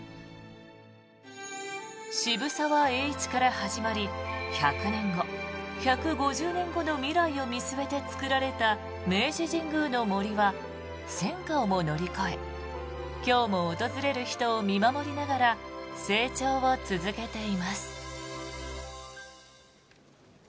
渋沢栄一から始まり１００年後、１５０年後の未来を見据えて作られた明治神宮の杜は戦火をも乗り越え今日も訪れる人を見守りながら成長を続けています。